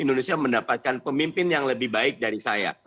indonesia mendapatkan pemimpin yang lebih baik dari saya